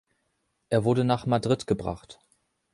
Er wurde nach Madrid gebracht.